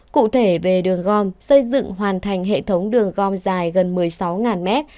cụ thể về đường gom xây dựng hoàn thành hệ thống đường gom dài gần một mươi sáu mét